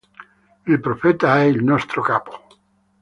Il Profeta è il nostro capo.